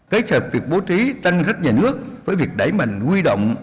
cái sạch việc bố trí tăng khách nhà nước với việc đẩy mạnh quy động